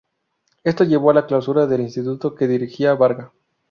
Esto llevó a la clausura del Instituto que dirigía Varga.